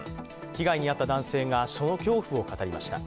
被害に遭った男性がその恐怖を語りました。